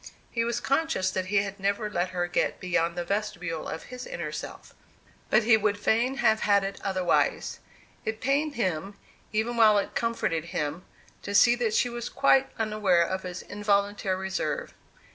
He was conscious that he had never let her get beyond the vestibule of his inner self; but he would fain have had it otherwise. It pained him, even while it comforted him, to see that she was quite unaware of his involuntary reserve.